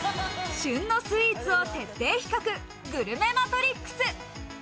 旬のスイーツを徹底比較、グルメマトリックス。